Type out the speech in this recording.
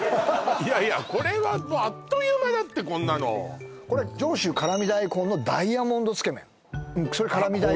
いやいやこれはもうあっという間だってこんなのこれ上州辛味大根のダイヤモンドつけめんそれ辛味